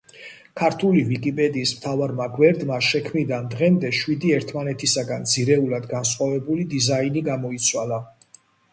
ქართული ვიკიპედიის მთავარმა გვერდმა შექმნიდან დღემდე შვიდი ერთმანეთისაგან ძირეულად განსხვავებული დიზაინი გამოიცვალა.